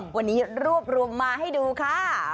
วันนี้รวบรวมมาให้ดูค่ะ